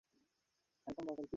তুমি কোনো সার্জন নও।